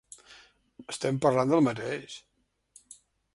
Estem parlant del mateix.